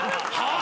あ！